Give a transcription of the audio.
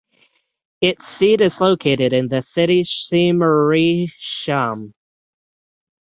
Its seat is located in the city Simrishamn.